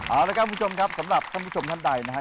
เอาละครับคุณผู้ชมครับสำหรับท่านผู้ชมท่านใดนะครับ